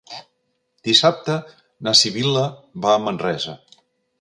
Dissabte na Sibil·la va a Manresa.